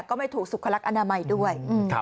ก็ไม่ถูกสุขลักษณ์อนามัยด้วย